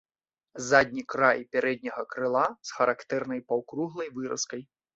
Задні край пярэдняга крыла з характэрнай паўкруглай выразкай.